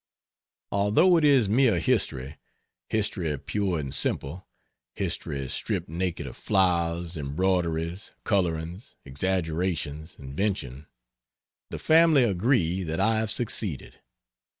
Although it is mere history history pure and simple history stripped naked of flowers, embroideries, colorings, exaggerations, invention the family agree that I have succeeded.